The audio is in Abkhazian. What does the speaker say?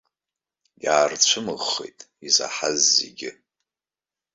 Иаарцәымыӷхеит изаҳаз зегьы.